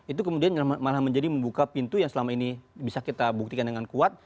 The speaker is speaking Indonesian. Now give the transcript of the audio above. itu kemudian malah menjadi membuka pintu yang selama ini bisa kita buktikan dengan kuat